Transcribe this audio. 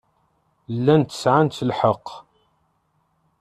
Llant sɛant lḥeqq.